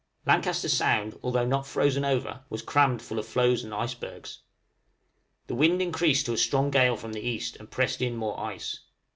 Lancaster Sound, although not frozen over, was crammed full of floes and icebergs. The wind increased to a strong gale from the east, and pressed in more ice.